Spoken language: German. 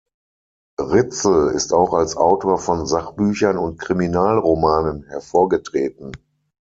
Ritzel ist auch als Autor von Sachbüchern und Kriminalromanen hervorgetreten.